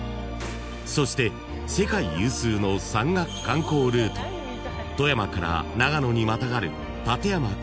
［そして世界有数の山岳観光ルート富山から長野にまたがる］